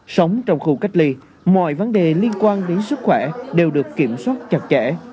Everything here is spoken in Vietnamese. sống trong khu cách ly mọi vấn đề liên quan đến sức khỏe đều được kiểm soát chặt chẽ